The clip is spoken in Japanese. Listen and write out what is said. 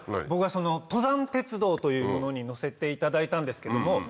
僕がその登山鉄道というものに乗せていただいたんですけども。